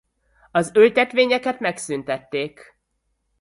Az ültetvényeket megszüntették.